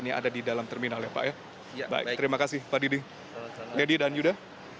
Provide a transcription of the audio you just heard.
jadi dan yuda